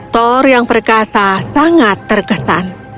thor yang perkasa sangat terkesan